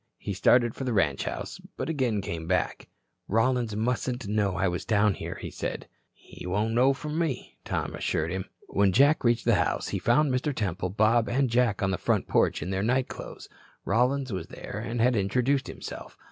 He started for the ranch house, but again came back. "Rollins mustn't know I was down here," he said. "He won't know from me," Tom assured him. When Jack reached the house, he found Mr. Temple, Bob and Jack on the front porch in their night clothes. Rollins was there and had introduced himself.